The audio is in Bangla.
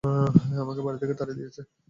আমাকে বাড়ী থেকে তাড়িয়ে দিয়েছে।